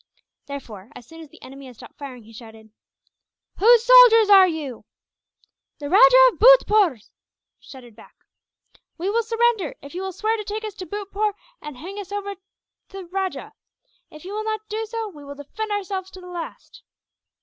Therefore, as soon as the enemy had stopped firing he shouted: "Whose soldiers are you?" "The Rajah of Bhurtpoor's," was shouted back. "We will surrender, if you will swear to take us to Bhurtpoor and hand us over to the rajah. If you will not do so, we will defend ourselves to the last."